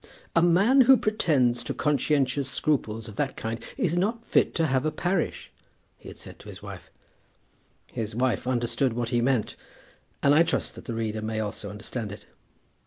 "A man who pretends to conscientious scruples of that kind is not fit to have a parish," he had said to his wife. His wife understood what he meant, and I trust that the reader may also understand it.